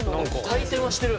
回転はしてる。